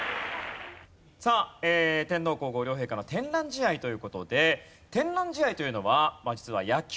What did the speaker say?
さあ天皇皇后両陛下の天覧試合という事で天覧試合というのは実は野球以外にもあります。